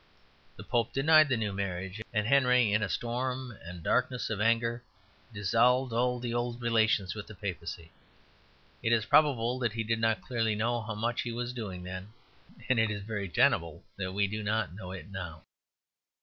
The Pope denied the new marriage; and Henry, in a storm and darkness of anger, dissolved all the old relations with the Papacy. It is probable that he did not clearly know how much he was doing then; and it is very tenable that we do not know it now.